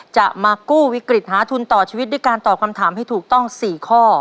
จะมากู้วิกฤตหาทุนต่อชีวิตด้วยการตอบคำถามให้ถูกต้อง๔ข้อ